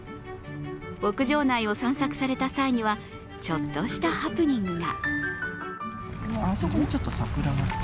牧場内を散策された際にはちょっとしたハプニングが。